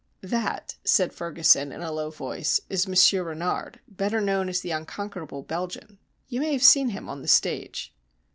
"That," said Ferguson, in a low voice, "is Monsieur Renard, better known as the Unconquerable Belgian. You may have seen him on the stage."